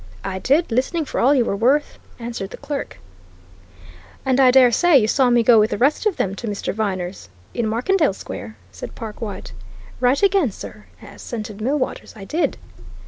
"I did listening for all you were worth," answered the clerk. "And I dare say you saw me go with the rest of them to Mr. Viner's, in Markendale Square?" said Perkwite. "Right again, sir," assented Millwaters. "I did."